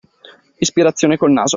Ispirazione col naso